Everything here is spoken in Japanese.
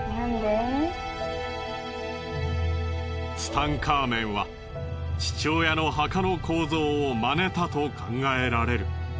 ツタンカーメンは父親の墓の構造を真似たと考えられる。